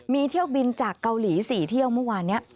มีเที่ยวบินจากเกาหลี๔เที่ยวเมื่อวานนี้